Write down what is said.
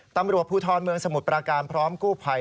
ตำรวจภูทรเมืองสมุทรปราการพร้อมกู้ภัย